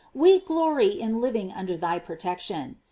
We glory in living under thy protection.